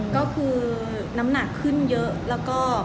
ก็คือน้ำหนักขึ้นเยอะแล้วก็